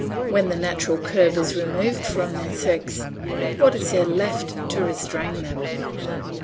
When the natural curb is removed from their sex, what is there left to restrain them?